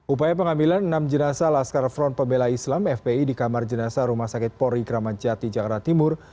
upaya pengambilan enam jenazah laskar front pembela islam fpi di kamar jenazah rumah sakit pori kramat jati jakarta timur